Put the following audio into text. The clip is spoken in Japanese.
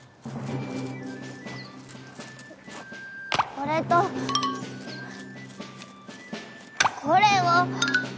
これとこれを！